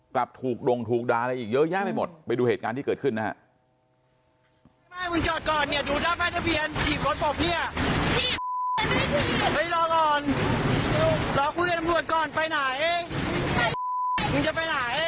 กลับถูกดงถูกด่าอะไรอีกเยอะแยะไปหมดไปดูเหตุการณ์ที่เกิดขึ้นนะฮะ